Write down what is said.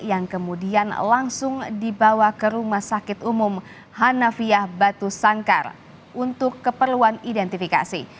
yang kemudian langsung dibawa ke rumah sakit umum hanafiah batu sangkar untuk keperluan identifikasi